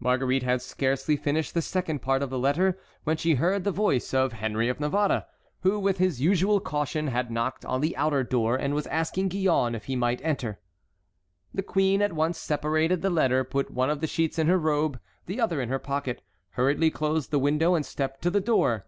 Marguerite had scarcely finished the second part of the letter when she heard the voice of Henry of Navarre, who with his usual caution had knocked on the outer door, and was asking Gillonne if he might enter. The queen at once separated the letter, put one of the sheets in her robe, the other in her pocket, hurriedly closed the window, and stepped to the door.